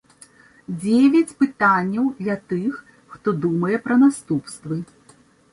Дзевяць пытанняў для тых, хто думае пра наступствы.